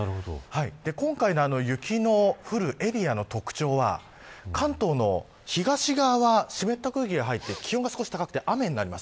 今回の雪の降るエリアの特徴は関東の東側は湿った空気が入って気温が少し高くて雨になります。